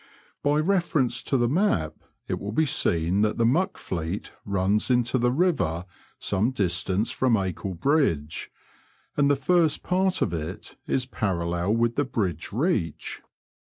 By reference to the map it will be seen that the Muck Fleet runs into the river some distance from Acle Bridge, and the first part of it is parallel with the bridge reach.